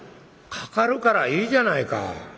「かかるからいいじゃないか」。